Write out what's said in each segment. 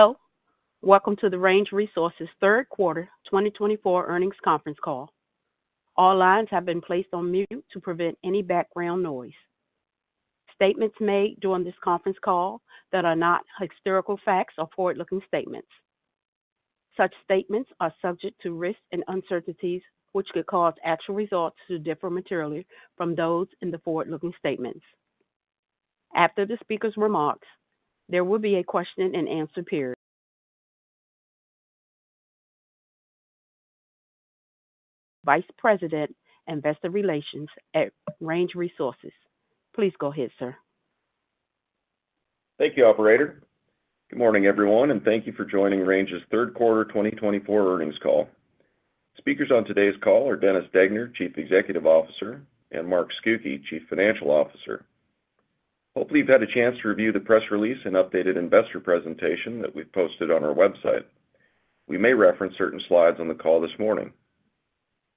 Hello, welcome to the Range Resources third quarter 2024 earnings conference call. All lines have been placed on mute to prevent any background noise. Statements made during this conference call that are not historical facts are forward-looking statements. Such statements are subject to risks and uncertainties, which could cause actual results to differ materially from those in the forward-looking statements. After the speaker's remarks, there will be a question and answer period.... Vice President, Investor Relations at Range Resources. Please go ahead, sir. Thank you, operator. Good morning, everyone, and thank you for joining Range's third quarter 2024 earnings call. Speakers on today's call are Dennis Degner, Chief Executive Officer, and Mark Scucchi, Chief Financial Officer. Hopefully, you've had a chance to review the press release and updated investor presentation that we've posted on our website. We may reference certain slides on the call this morning.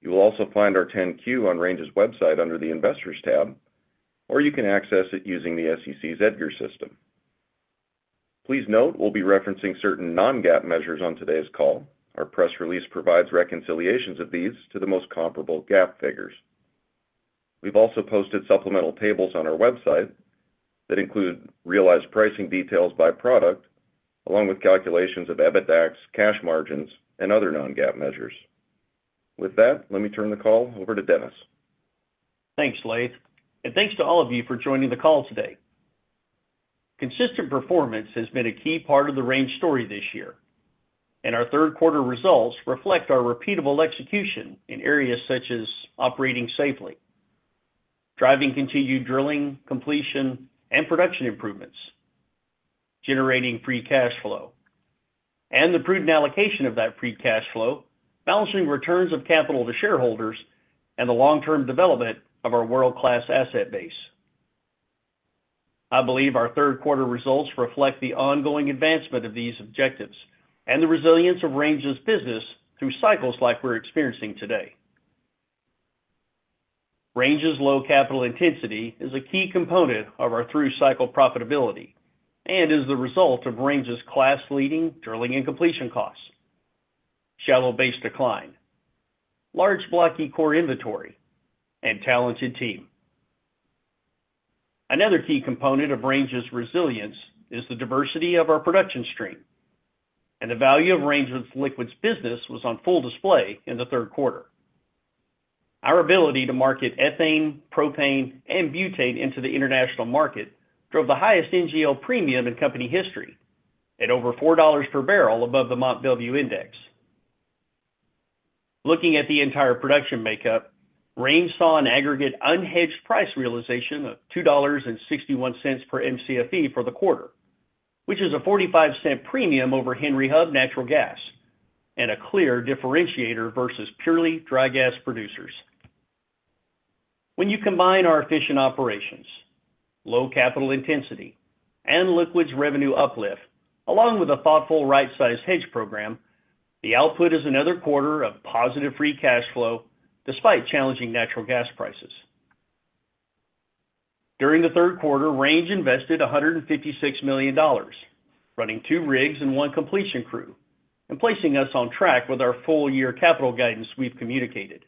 You will also find our 10-Q on Range's website under the Investors tab, or you can access it using the SEC's EDGAR system. Please note, we'll be referencing certain non-GAAP measures on today's call. Our press release provides reconciliations of these to the most comparable GAAP figures. We've also posted supplemental tables on our website that include realized pricing details by product, along with calculations of EBITDAX, cash margins, and other non-GAAP measures. With that, let me turn the call over to Dennis. Thanks, Laith, and thanks to all of you for joining the call today. Consistent performance has been a key part of the Range story this year, and our third quarter results reflect our repeatable execution in areas such as operating safely, driving continued drilling, completion, and production improvements, generating free cash flow, and the prudent allocation of that free cash flow, balancing returns of capital to shareholders and the long-term development of our world-class asset base. I believe our third quarter results reflect the ongoing advancement of these objectives and the resilience of Range's business through cycles like we're experiencing today. Range's low capital intensity is a key component of our through-cycle profitability and is the result of Range's class-leading drilling and completion costs, shallow base decline, large blocky core inventory, and talented team. Another key component of Range's resilience is the diversity of our production stream, and the value of Range's liquids business was on full display in the third quarter. Our ability to market ethane, propane, and butane into the international market drove the highest NGL premium in company history at over $4 per barrel above the Mont Belvieu index. Looking at the entire production makeup, Range saw an aggregate unhedged price realization of $2.61 per Mcfe for the quarter, which is a $0.45 premium over Henry Hub natural gas and a clear differentiator versus purely dry gas producers. When you combine our efficient operations, low capital intensity, and liquids revenue uplift, along with a thoughtful, right-sized hedge program, the output is another quarter of positive free cash flow, despite challenging natural gas prices. During the third quarter, Range invested $156 million, running two rigs and one completion crew and placing us on track with our full-year capital guidance we've communicated.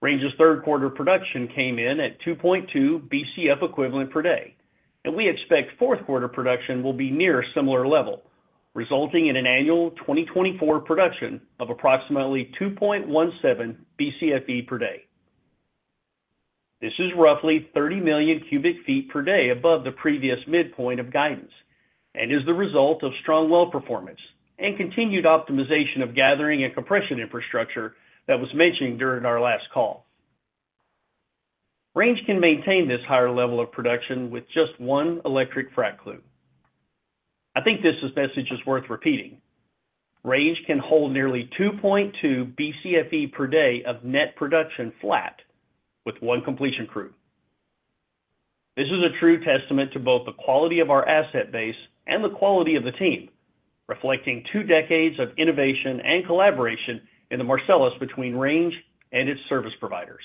Range's third quarter production came in at 2.2 Bcf equivalent per day, and we expect fourth quarter production will be near a similar level, resulting in an annual 2024 production of approximately 2.17 Bcfe per day. This is roughly 30 million cubic feet per day above the previous midpoint of guidance and is the result of strong well performance and continued optimization of gathering and compression infrastructure that was mentioned during our last call. Range can maintain this higher level of production with just one electric frac crew. I think this message is worth repeating. Range can hold nearly 2.2 Bcfe per day of net production flat with one completion crew. This is a true testament to both the quality of our asset base and the quality of the team, reflecting two decades of innovation and collaboration in the Marcellus between Range and its service providers.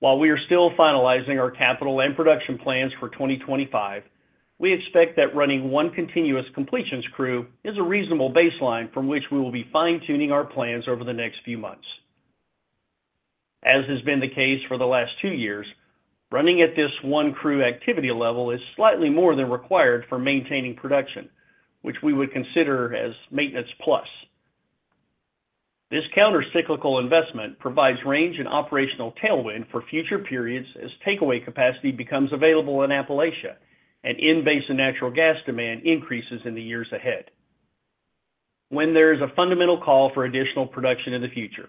While we are still finalizing our capital and production plans for 2025, we expect that running one continuous completions crew is a reasonable baseline from which we will be fine-tuning our plans over the next few months. As has been the case for the last two years, running at this one crew activity level is slightly more than required for maintaining production, which we would consider as maintenance plus. This countercyclical investment provides Range and operational tailwind for future periods as takeaway capacity becomes available in Appalachia and in-basin natural gas demand increases in the years ahead. When there is a fundamental call for additional production in the future,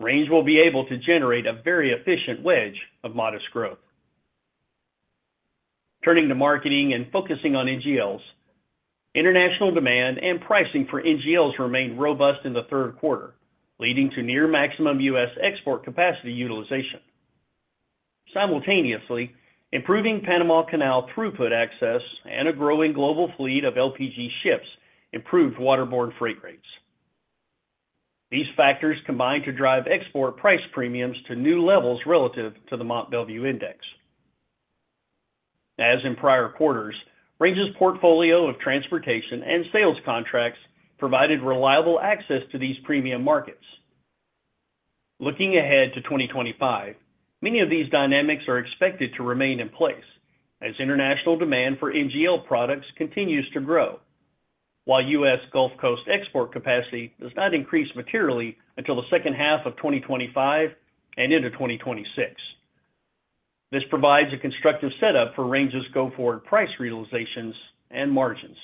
Range will be able to generate a very efficient wedge of modest growth. Turning to marketing and focusing on NGLs, international demand and pricing for NGLs remained robust in the third quarter, leading to near maximum U.S. export capacity utilization. Simultaneously, improving Panama Canal throughput access and a growing global fleet of LPG ships improved waterborne freight rates.... These factors combined to drive export price premiums to new levels relative to the Mont Belvieu index. As in prior quarters, Range's portfolio of transportation and sales contracts provided reliable access to these premium markets. Looking ahead to 2025, many of these dynamics are expected to remain in place as international demand for NGL products continues to grow, while U.S. Gulf Coast export capacity does not increase materially until the second half of 2025 and into 2026. This provides a constructive setup for Range's go-forward price realizations and margins.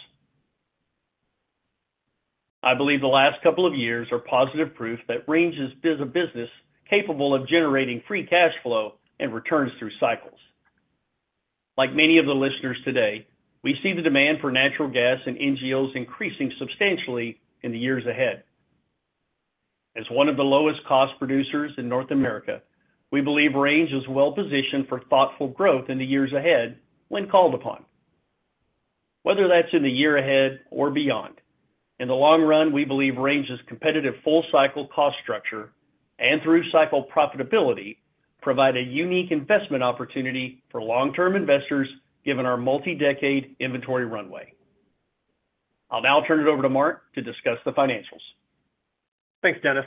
I believe the last couple of years are positive proof that Range is a business capable of generating free cash flow and returns through cycles. Like many of the listeners today, we see the demand for natural gas and NGLs increasing substantially in the years ahead. As one of the lowest cost producers in North America, we believe Range is well-positioned for thoughtful growth in the years ahead when called upon. Whether that's in the year ahead or beyond, in the long run, we believe Range's competitive full-cycle cost structure and through-cycle profitability provide a unique investment opportunity for long-term investors, given our multi-decade inventory runway. I'll now turn it over to Mark to discuss the financials. Thanks, Dennis.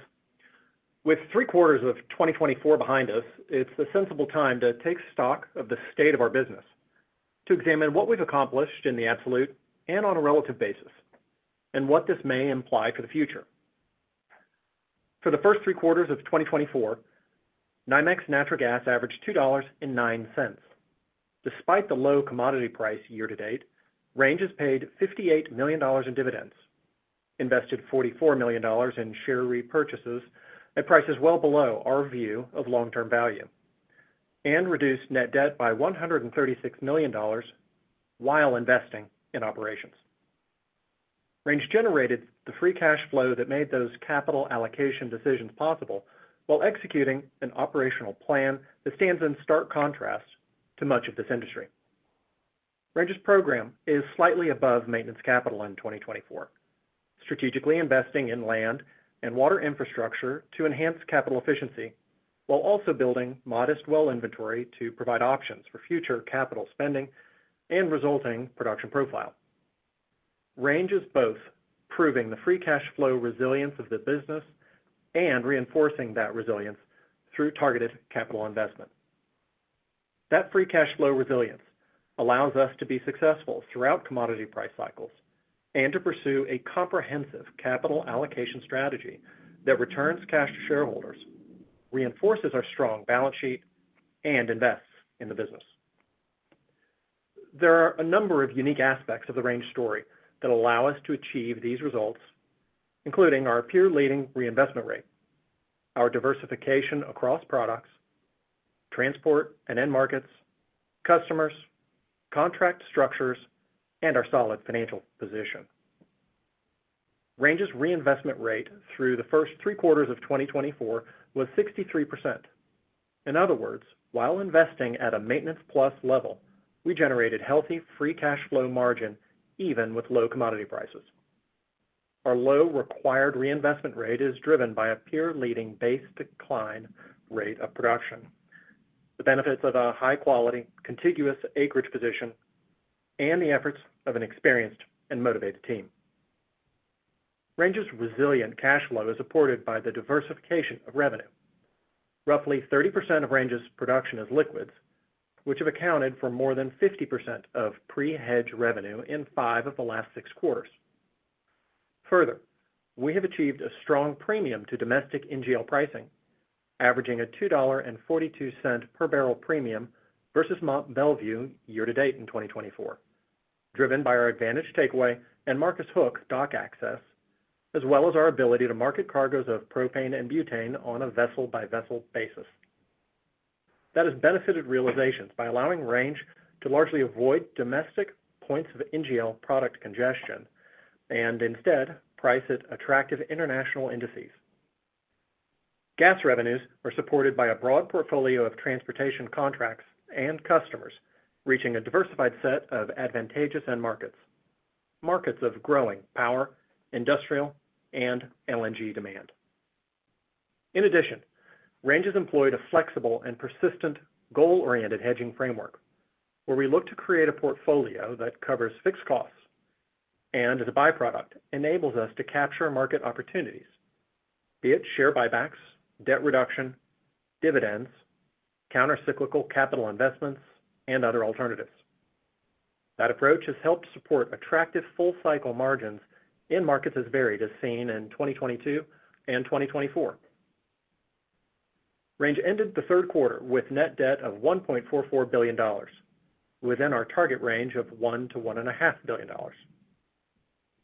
With three quarters of 2024 behind us, it's a sensible time to take stock of the state of our business, to examine what we've accomplished in the absolute and on a relative basis, and what this may imply for the future. For the first three quarters of 2024, NYMEX natural gas averaged $2.09. Despite the low commodity price year-to-date, Range has paid $58 million in dividends, invested $44 million in share repurchases at prices well below our view of long-term value, and reduced net debt by $136 million while investing in operations. Range generated the free cash flow that made those capital allocation decisions possible while executing an operational plan that stands in stark contrast to much of this industry. Range's program is slightly above maintenance capital in 2024, strategically investing in land and water infrastructure to enhance capital efficiency, while also building modest well inventory to provide options for future capital spending and resulting production profile. Range is both proving the free cash flow resilience of the business and reinforcing that resilience through targeted capital investment. That free cash flow resilience allows us to be successful throughout commodity price cycles and to pursue a comprehensive capital allocation strategy that returns cash to shareholders, reinforces our strong balance sheet, and invests in the business. There are a number of unique aspects of the Range story that allow us to achieve these results, including our peer-leading reinvestment rate, our diversification across products, transport and end markets, customers, contract structures, and our solid financial position. Range's reinvestment rate through the first three quarters of 2024 was 63%. In other words, while investing at a maintenance plus level, we generated healthy free cash flow margin, even with low commodity prices. Our low required reinvestment rate is driven by a peer-leading base decline rate of production, the benefits of a high-quality, contiguous acreage position, and the efforts of an experienced and motivated team. Range's resilient cash flow is supported by the diversification of revenue. Roughly 30% of Range's production is liquids, which have accounted for more than 50% of pre-hedge revenue in five of the last six quarters. Further, we have achieved a strong premium to domestic NGL pricing, averaging a $2.42 per barrel premium versus Mont Belvieu year-to-date in 2024, driven by our advantaged takeaway and Marcus Hook dock access, as well as our ability to market cargoes of propane and butane on a vessel-by-vessel basis. That has benefited realizations by allowing Range to largely avoid domestic points of NGL product congestion and instead price at attractive international indices. Gas revenues are supported by a broad portfolio of transportation contracts and customers, reaching a diversified set of advantageous end markets, markets of growing power, industrial, and LNG demand. In addition, Range has employed a flexible and persistent, goal-oriented hedging framework, where we look to create a portfolio that covers fixed costs and, as a by-product, enables us to capture market opportunities, be it share buybacks, debt reduction, dividends, countercyclical capital investments, and other alternatives. That approach has helped support attractive full-cycle margins in markets as varied as seen in 2022 and 2024. Range ended the third quarter with net debt of $1.44 billion, within our target range of $1-$1.5 billion.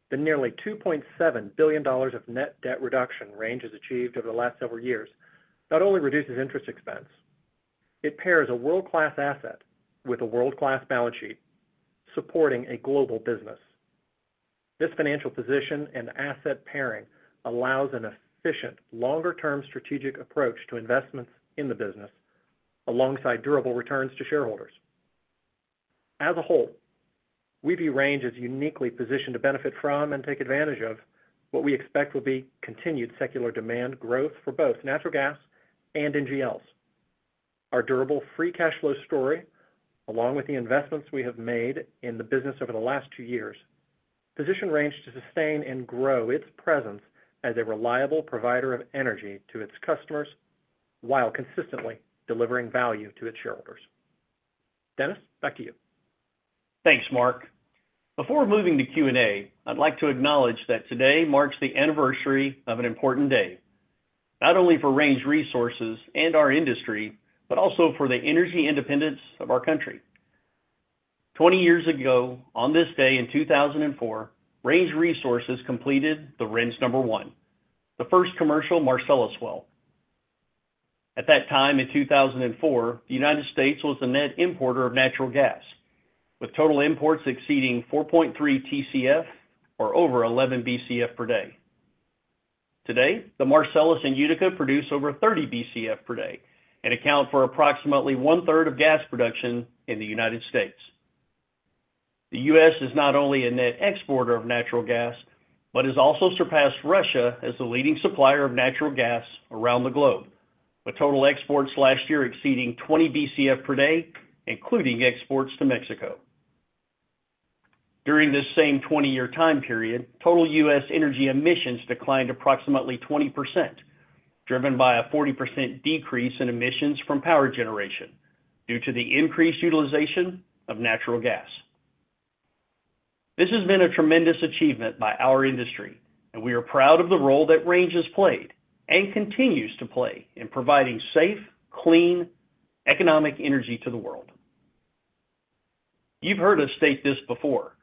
The nearly $2.7 billion of net debt reduction Range has achieved over the last several years not only reduces interest expense, it pairs a world-class asset with a world-class balance sheet, supporting a global business. This financial position and asset pairing allows an efficient, longer-term strategic approach to investments in the business, alongside durable returns to shareholders. As a whole, we view Range as uniquely positioned to benefit from and take advantage of what we expect will be continued secular demand growth for both natural gas and NGLs. Our durable free cash flow story, along with the investments we have made in the business over the last two years, position Range to sustain and grow its presence as a reliable provider of energy to its customers, while consistently delivering value to its shareholders. Dennis, back to you. Thanks, Mark. Before moving to Q&A, I'd like to acknowledge that today marks the anniversary of an important day, not only for Range Resources and our industry, but also for the energy independence of our country. 20 years ago, on this day in 2004, Range Resources completed the Renz #1, the first commercial Marcellus well. At that time, in 2004, the United States was the net importer of natural gas, with total imports exceeding 4.3 Tcf or over 11 Bcf per day. Today, the Marcellus and Utica produce over 30 Bcf per day and account for approximately one-third of gas production in the United States. The U.S. is not only a net exporter of natural gas, but has also surpassed Russia as the leading supplier of natural gas around the globe, with total exports last year exceeding 20 Bcf per day, including exports to Mexico. During this same 20-year time period, total U.S. energy emissions declined approximately 20%, driven by a 40% decrease in emissions from power generation due to the increased utilization of natural gas. This has been a tremendous achievement by our industry, and we are proud of the role that Range has played and continues to play in providing safe, clean, economic energy to the world. You've heard us state this before,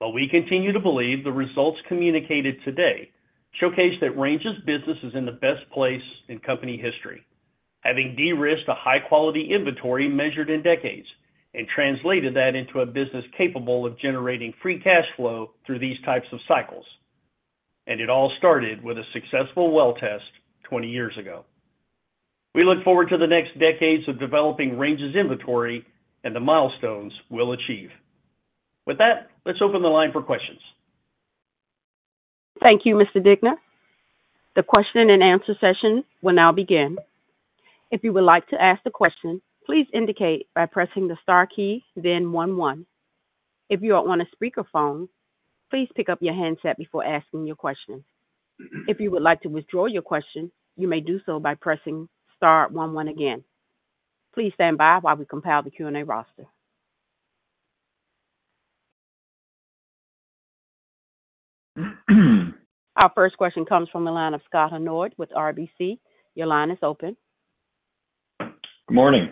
but we continue to believe the results communicated today showcase that Range's business is in the best place in company history, having de-risked a high-quality inventory measured in decades and translated that into a business capable of generating free cash flow through these types of cycles. And it all started with a successful well test 20 years ago. We look forward to the next decades of developing Range's inventory and the milestones we'll achieve. With that, let's open the line for questions. Thank you, Mr. Degner. The question and answer session will now begin. If you would like to ask a question, please indicate by pressing the star key, then one, one. If you are on a speakerphone, please pick up your handset before asking your question. If you would like to withdraw your question, you may do so by pressing star one one again. Please stand by while we compile the Q&A roster. Our first question comes from the line of Scott Hanold with RBC. Your line is open. Good morning.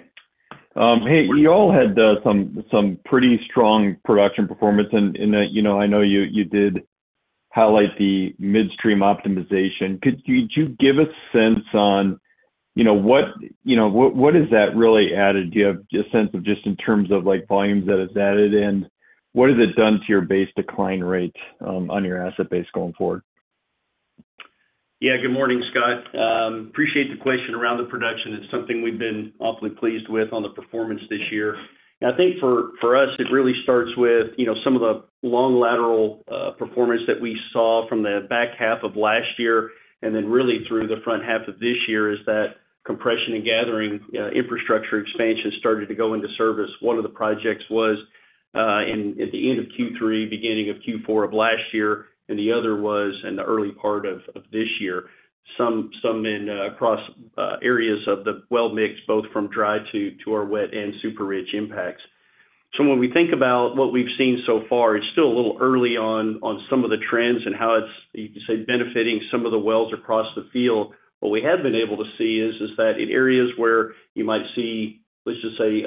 Hey, you all had some pretty strong production performance, and you know, I know you did highlight the midstream optimization. Could you give a sense on, you know, what has that really added? Do you have a sense of just in terms of like volumes that it's added in? What has it done to your base decline rates, on your asset base going forward? Yeah, good morning, Scott. Appreciate the question around the production. It's something we've been awfully pleased with the performance this year. I think for us, it really starts with, you know, some of the long lateral performance that we saw from the back half of last year, and then really through the front half of this year, with the compression and gathering infrastructure expansion started to go into service. One of the projects was at the end of Q3, beginning of Q4 of last year, and the other was in the early part of this year. Some in across areas of the well mix, both from dry to our wet and super rich impacts. So when we think about what we've seen so far, it's still a little early on some of the trends and how it's, you could say, benefiting some of the wells across the field. What we have been able to see is that in areas where you might see, let's just say,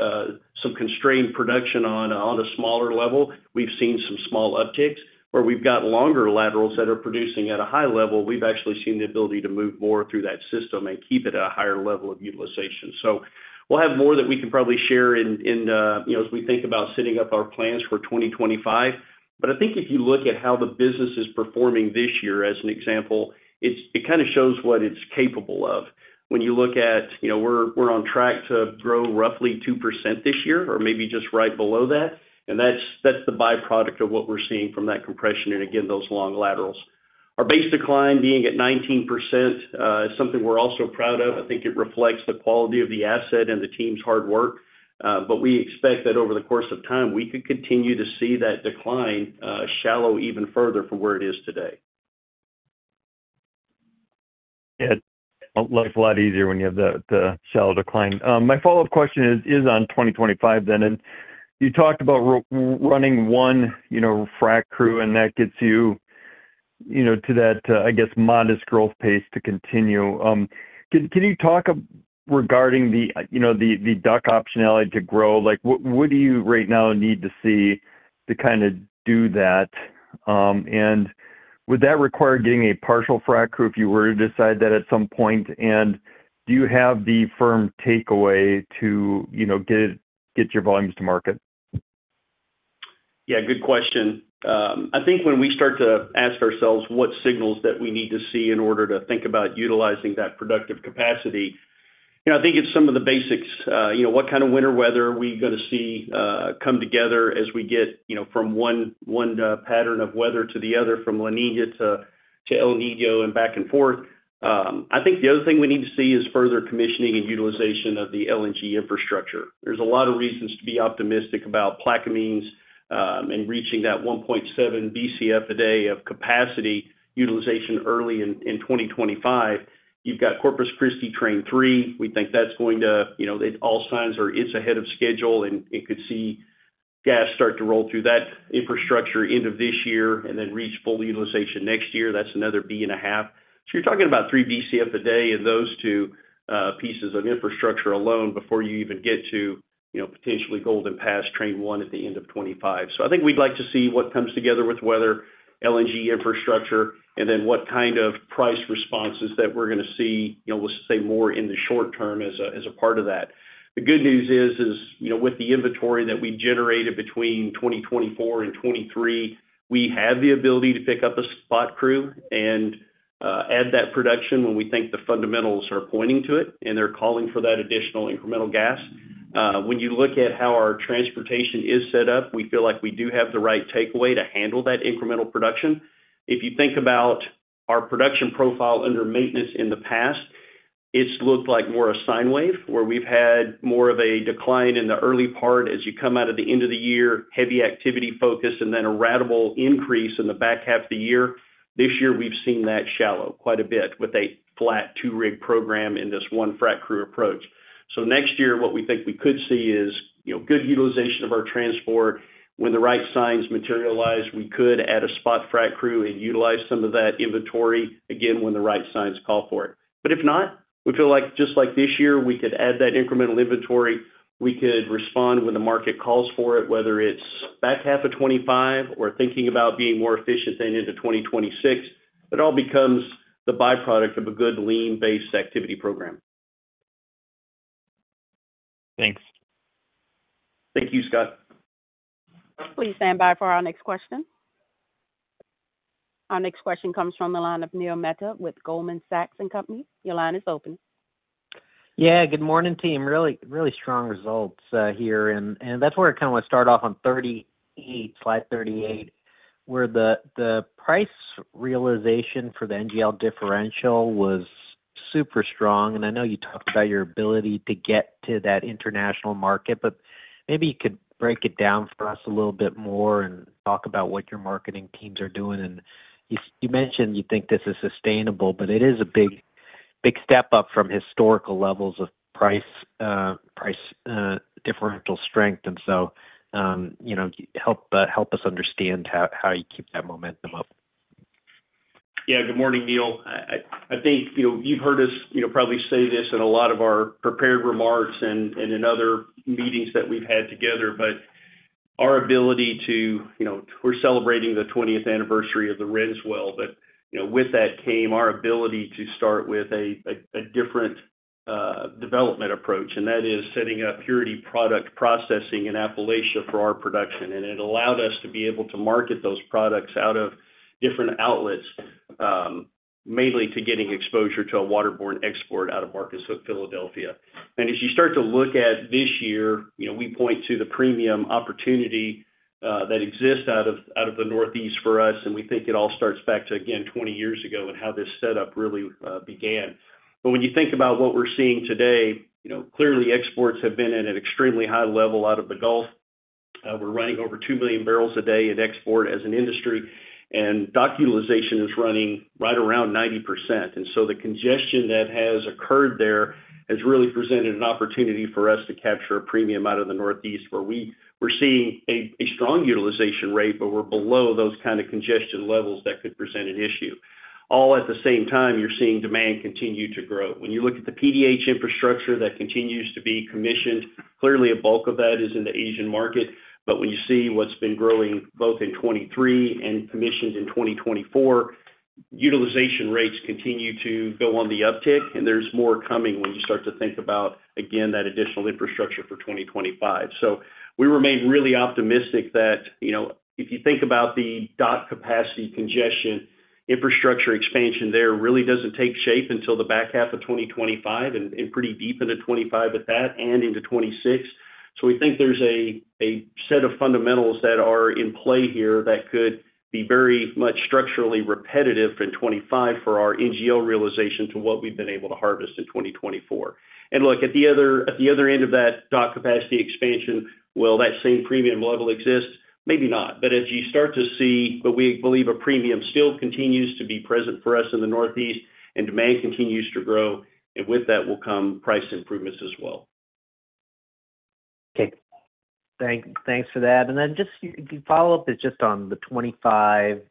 some constrained production on a smaller level, we've seen some small upticks. Where we've got longer laterals that are producing at a high level, we've actually seen the ability to move more through that system and keep it at a higher level of utilization. So we'll have more that we can probably share in, you know, as we think about setting up our plans for 2025. But I think if you look at how the business is performing this year, as an example, it's kind of shows what it's capable of. When you look at, you know, we're on track to grow roughly 2% this year, or maybe just right below that, and that's the byproduct of what we're seeing from that compression, and again, those long laterals. Our base decline being at 19% is something we're also proud of. I think it reflects the quality of the asset and the team's hard work, but we expect that over the course of time, we could continue to see that decline shallow even further from where it is today. Yeah, life a lot easier when you have the shallow decline. My follow-up question is on 2025 then. And you talked about running one, you know, frac crew, and that gets you, you know, to that, I guess, modest growth pace to continue. Can you talk regarding the, you know, the DUC optionality to grow? Like, what do you right now need to see to kind of do that? And would that require getting a partial frac crew if you were to decide that at some point? And do you have the firm takeaway to, you know, get your volumes to market? Yeah, good question. I think when we start to ask ourselves what signals that we need to see in order to think about utilizing that productive capacity, you know, I think it's some of the basics. You know, what kind of winter weather are we going to see come together as we get, you know, from one pattern of weather to the other, from La Niña to El Niño and back and forth. I think the other thing we need to see is further commissioning and utilization of the LNG infrastructure. There's a lot of reasons to be optimistic about Plaquemines, and reaching that 1.7 Bcf a day of capacity utilization early in 2025. You've got Corpus Christi Train 3. We think that's going to, you know, all signs are it's ahead of schedule, and it could see gas start to roll through that infrastructure end of this year and then reach full utilization next year. That's another B and a half. So you're talking about three BCF a day in those two pieces of infrastructure alone before you even get to, you know, potentially Golden Pass Train 1 at the end of 2025. So I think we'd like to see what comes together with weather, LNG infrastructure, and then what kind of price responses that we're going to see, you know, let's say more in the short term as a part of that. The good news is, you know, with the inventory that we generated between 2024 and 2023, we have the ability to pick up a spot crew and add that production when we think the fundamentals are pointing to it, and they're calling for that additional incremental gas. When you look at how our transportation is set up, we feel like we do have the right takeaway to handle that incremental production. If you think about our production profile under maintenance in the past, it's looked like more a sine wave, where we've had more of a decline in the early part as you come out of the end of the year, heavy activity focus, and then a ratable increase in the back half of the year. This year, we've seen that shallow quite a bit with a flat two-rig program in this one frac crew approach. So next year, what we think we could see is, you know, good utilization of our transport. When the right signs materialize, we could add a spot frac crew and utilize some of that inventory again, when the right signs call for it. But if not, we feel like, just like this year, we could add that incremental inventory. We could respond when the market calls for it, whether it's back half of 2025 or thinking about being more efficient than into 2026. It all becomes the byproduct of a good lean-based activity program. Thanks. Thank you, Scott. Please stand by for our next question. Our next question comes from the line of Neil Mehta with Goldman Sachs & Company. Your line is open. Yeah, good morning, team. Really, really strong results here, and that's where I kind of want to start off, on 38, slide 38, where the price realization for the NGL differential was super strong. And I know you talked about your ability to get to that international market, but maybe you could break it down for us a little bit more and talk about what your marketing teams are doing. And you mentioned you think this is sustainable, but it is a big, big step up from historical levels of price differential strength. And so, you know, help us understand how you keep that momentum up. Yeah. Good morning, Neil. I think, you know, you've heard us, you know, probably say this in a lot of our prepared remarks and in other meetings that we've had together, but our ability to, you know, we're celebrating the 20th anniversary of the Renz well, but, you know, with that came our ability to start with a different development approach, and that is setting up midstream product processing in Appalachia for our production. It allowed us to be able to market those products out of different outlets, mainly to getting exposure to a waterborne export out of Marcus Hook, Philadelphia. As you start to look at this year, you know, we point to the premium opportunity that exists out of the Northeast for us, and we think it all starts back to, again, 20 years ago and how this setup really began. But when you think about what we're seeing today, you know, clearly exports have been at an extremely high level out of the Gulf. We're running over two million barrels a day in export as an industry, and dock utilization is running right around 90%. And so the congestion that has occurred there has really presented an opportunity for us to capture a premium out of the Northeast, where we're seeing a strong utilization rate, but we're below those kind of congestion levels that could present an issue. All at the same time, you're seeing demand continue to grow. When you look at the PDH infrastructure that continues to be commissioned, clearly a bulk of that is in the Asian market. But when you see what's been growing both in 2023 and commissioned in 2024, utilization rates continue to go on the uptick, and there's more coming when you start to think about, again, that additional infrastructure for 2025. So we remain really optimistic that, you know, if you think about the dock capacity, congestion, infrastructure expansion, there really doesn't take shape until the back half of 2025 and, and pretty deep into 2025 at that and into 2026. So we think there's a, a set of fundamentals that are in play here that could be very much structurally repetitive in 2025 for our NGL realization to what we've been able to harvest in 2024. Look, at the other end of that dock capacity expansion, will that same premium level exist? Maybe not. But we believe a premium still continues to be present for us in the Northeast, and demand continues to grow, and with that will come price improvements as well. Okay. Thanks for that. And then just a follow-up is just on the 2025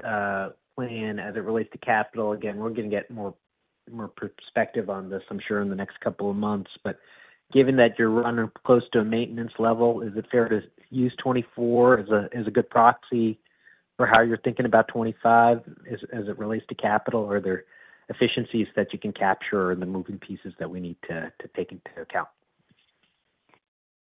plan as it relates to capital. Again, we're going to get more perspective on this, I'm sure, in the next couple of months. But given that you're running close to a maintenance level, is it fair to use 2024 as a good proxy for how you're thinking about 2025 as it relates to capital? Are there efficiencies that you can capture and the moving pieces that we need to take into account?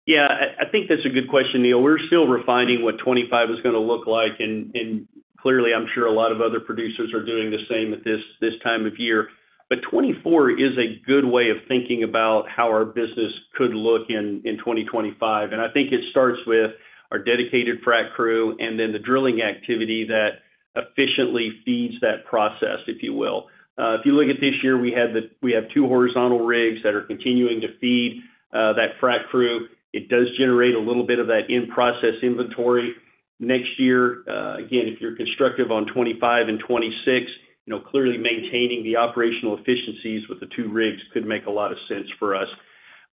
Yeah, I think that's a good question, Neil. We're still refining what 2024 is gonna look like, and clearly, I'm sure a lot of other producers are doing the same at this time of year. But 2024 is a good way of thinking about how our business could look in 2025. And I think it starts with our dedicated frac crew and then the drilling activity that efficiently feeds that process, if you will. If you look at this year, we have two horizontal rigs that are continuing to feed that frac crew. It does generate a little bit of that in-process inventory. Next year, again, if you're constructive on 2025 and 2026, you know, clearly maintaining the operational efficiencies with the two rigs could make a lot of sense for us.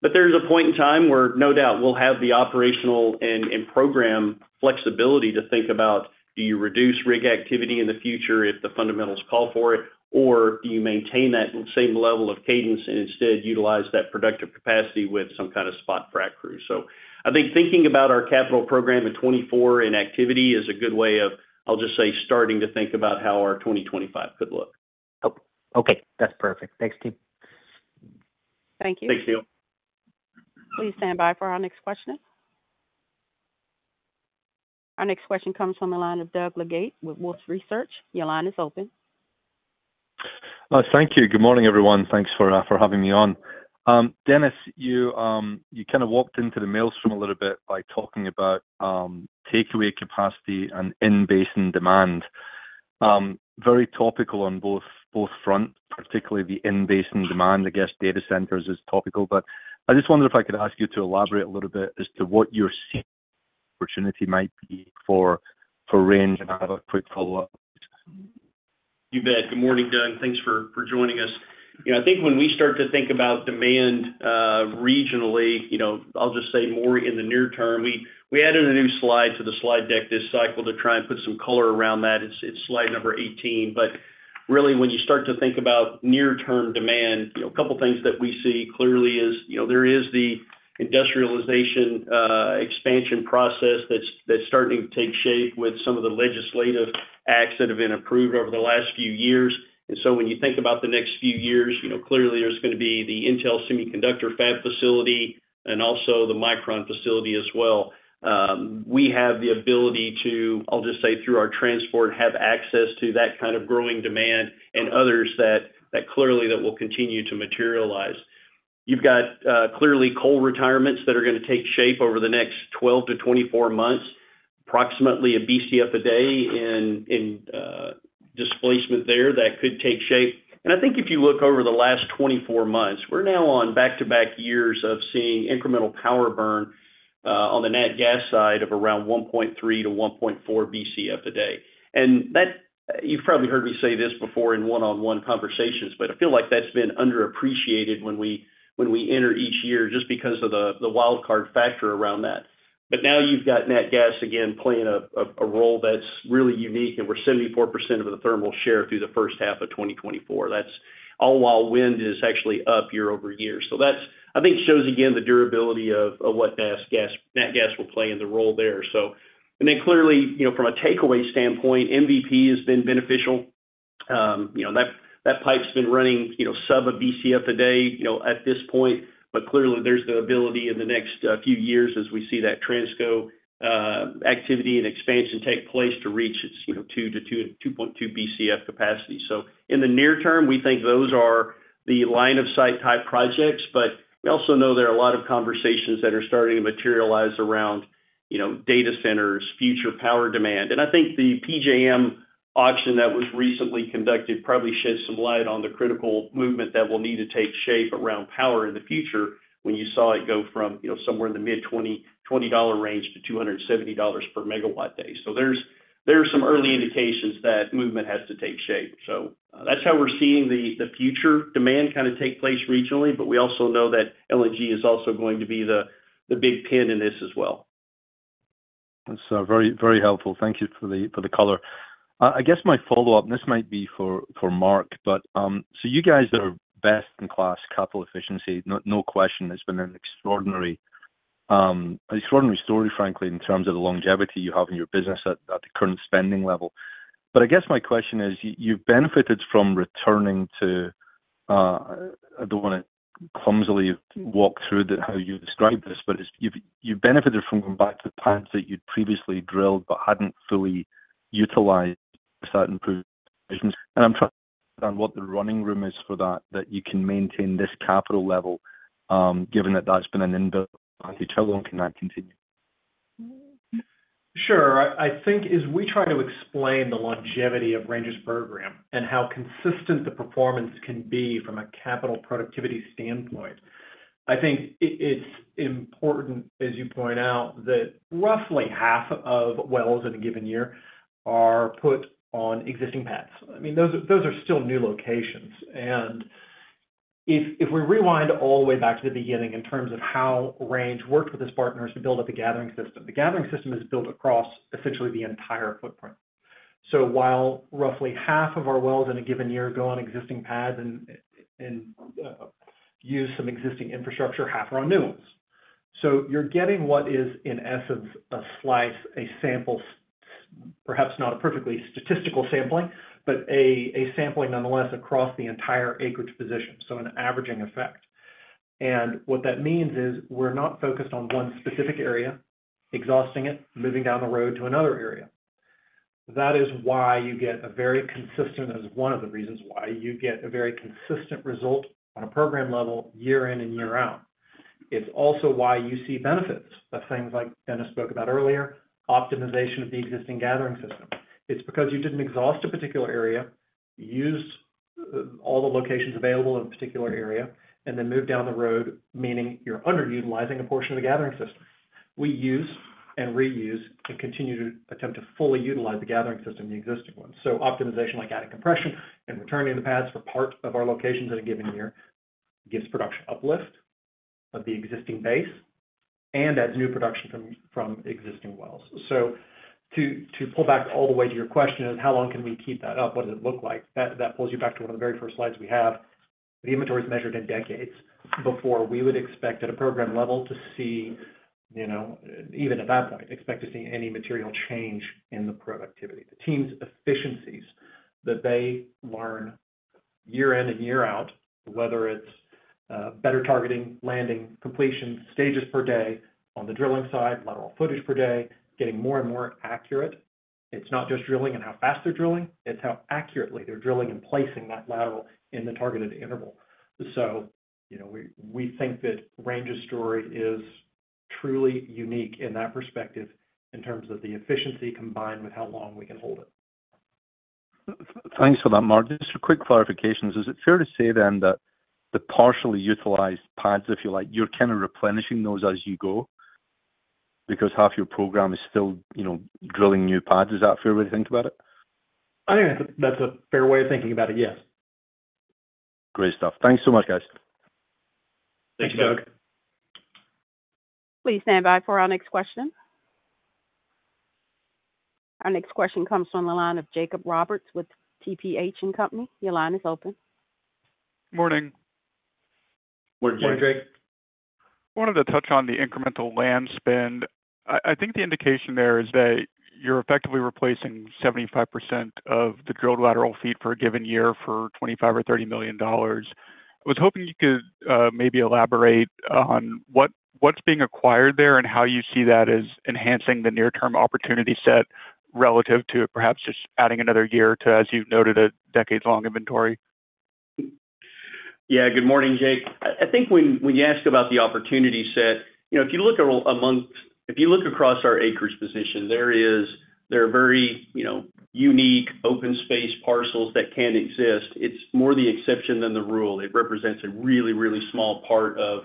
But there's a point in time where, no doubt, we'll have the operational and program flexibility to think about, do you reduce rig activity in the future if the fundamentals call for it, or do you maintain that same level of cadence and instead utilize that productive capacity with some kind of spot frac crew? So I think thinking about our capital program in 2024 and activity is a good way of, I'll just say, starting to think about how our 2025 could look. Oh, okay. That's perfect. Thanks, team. Thank you. Thanks, Neil. Please stand by for our next question. Our next question comes from the line of Doug Leggate with Wolfe Research. Your line is open. Thank you. Good morning, everyone. Thanks for having me on. Dennis, you kind of walked into the maelstrom a little bit by talking about takeaway capacity and in-basin demand. Very topical on both fronts, particularly the in-basin demand, I guess data centers is topical. But I just wondered if I could ask you to elaborate a little bit as to what your opportunity might be for Range, and I have a quick follow-up. You bet. Good morning, Doug. Thanks for joining us. You know, I think when we start to think about demand, regionally, you know, I'll just say more in the near term, we added a new slide to the slide deck this cycle to try and put some color around that. It's slide number eighteen. But really, when you start to think about near-term demand, you know, a couple of things that we see clearly is, you know, there is the industrialization, expansion process that's starting to take shape with some of the legislative acts that have been approved over the last few years. And so when you think about the next few years, you know, clearly there's gonna be the Intel semiconductor fab facility and also the Micron facility as well. We have the ability to, I'll just say, through our transport, have access to that kind of growing demand and others that clearly will continue to materialize. You've got clearly, coal retirements that are gonna take shape over the next 12-24 months, approximately a Bcf a day in displacement there that could take shape. And I think if you look over the last 24 months, we're now on back-to-back years of seeing incremental power burn on the nat gas side of around 1.3-1.4 Bcf a day. And that. You've probably heard me say this before in one-on-one conversations, but I feel like that's been underappreciated when we enter each year, just because of the wildcard factor around that. But now you've got nat gas again playing a role that's really unique, and we're 74% of the thermal share through the first half of 2024. That's all while wind is actually up year over year. So that's, I think, shows again the durability of what gas nat gas will play in the role there. And then clearly, you know, from a takeaway standpoint, MVP has been beneficial. You know, that pipe's been running sub 1 Bcf a day, you know, at this point. But clearly, there's the ability in the next few years as we see that Transco activity and expansion take place to reach its, you know, 2 to 2.2 Bcf capacity. So in the near term, we think those are the line of sight type projects, but we also know there are a lot of conversations that are starting to materialize around, you know, data centers, future power demand. And I think the PJM auction that was recently conducted probably sheds some light on the critical movement that will need to take shape around power in the future, when you saw it go from, you know, somewhere in the mid-$20 range to $270 per megawatt-day. So there's some early indications that movement has to take shape. So that's how we're seeing the future demand kind of take place regionally, but we also know that LNG is also going to be the big pin in this as well. That's very, very helpful. Thank you for the color. I guess my follow-up, and this might be for Mark, but so you guys are best-in-class capital efficiency. No question. It's been an extraordinary, extraordinary story, frankly, in terms of the longevity you have in your business at the current spending level. But I guess my question is, you've benefited from going back to the pads that you'd previously drilled but hadn't fully utilized that improvement. And I'm trying to understand what the running room is for that you can maintain this capital level, given that that's been an inbuilt. How long can that continue? Sure. I think as we try to explain the longevity of Range's program and how consistent the performance can be from a capital productivity standpoint, I think it's important, as you point out, that roughly half of wells in a given year are put on existing pads. I mean, those are still new locations. And if we rewind all the way back to the beginning in terms of how Range worked with its partners to build up the gathering system, the gathering system is built across essentially the entire footprint. So while roughly half of our wells in a given year go on existing pads and use some existing infrastructure, half are on new ones. So you're getting what is, in essence, a slice, a sample, perhaps not a perfectly statistical sampling, but a, a sampling nonetheless, across the entire acreage position, so an averaging effect. And what that means is, we're not focused on one specific area, exhausting it, moving down the road to another area. That is why you get a very consistent, as one of the reasons why you get a very consistent result on a program level, year in and year out. It's also why you see benefits of things like Dennis spoke about earlier, optimization of the existing gathering system. It's because you didn't exhaust a particular area, you used, all the locations available in a particular area, and then moved down the road, meaning you're underutilizing a portion of the gathering system. We use and reuse and continue to attempt to fully utilize the gathering system, the existing one. So optimization, like adding compression and returning the pads for part of our locations in a given year, gives production uplift of the existing base and adds new production from existing wells. So to pull back all the way to your question is: How long can we keep that up? What does it look like? That pulls you back to one of the very first slides we have. The inventory is measured in decades before we would expect, at a program level, to see, you know, even at that point, any material change in the productivity. The team's efficiencies that they learn year in and year out, whether it's better targeting, landing, completion, stages per day on the drilling side, lateral footage per day, getting more and more accurate. It's not just drilling and how fast they're drilling, it's how accurately they're drilling and placing that lateral in the targeted interval. So, you know, we think that Range's story is truly unique in that perspective in terms of the efficiency combined with how long we can hold it. Thanks for that, Mark. Just a quick clarification. Is it fair to say then, that the partially utilized pads, if you like, you're kind of replenishing those as you go? Because half your program is still, you know, drilling new pads. Is that a fair way to think about it? I think that's a, that's a fair way of thinking about it, yes. Great stuff. Thanks so much, guys. Thanks, Doug. Please stand by for our next question. Our next question comes from the line of Jacob Roberts with TPH & Co. Your line is open. Morning. Morning, Jake. I wanted to touch on the incremental land spend. I, I think the indication there is that you're effectively replacing 75% of the drilled lateral feet for a given year for $25 million or $30 million. I was hoping you could maybe elaborate on what's being acquired there and how you see that as enhancing the near-term opportunity set relative to perhaps just adding another year to, as you've noted, a decades-long inventory? Yeah. Good morning, Jake. I think when you ask about the opportunity set, you know, if you look across our acreage position, there are very, you know, unique open space parcels that can exist. It's more the exception than the rule. It represents a really small part of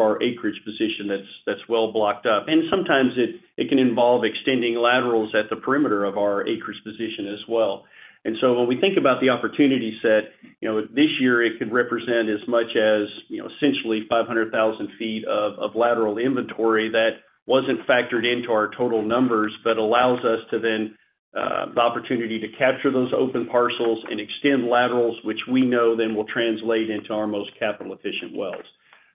our acreage position that's well blocked up. And sometimes it can involve extending laterals at the perimeter of our acreage position as well. And so when we think about the opportunity set, you know, this year, it could represent as much as, you know, essentially 500,000 feet of lateral inventory that wasn't factored into our total numbers, but allows us to then the opportunity to capture those open parcels and extend laterals, which we know then will translate into our most capital-efficient wells.